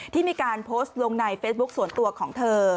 ที่มีการโพสต์ลงในเฟซบุ๊คส่วนตัวของเธอ